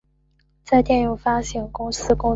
在电影发行公司工作。